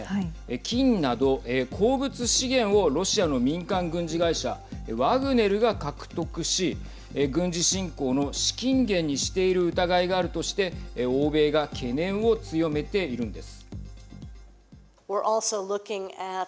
金など、鉱物資源をロシアの民間軍事会社ワグネルが獲得し軍事侵攻の資金源にしている疑いがあるとして欧米が懸念を強めているんです。